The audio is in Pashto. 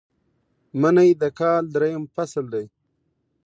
منی د کال دریم فصل دی